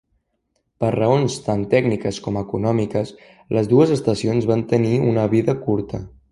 Per raons tant tècniques com econòmiques, les dues estacions van tenir una vida curta.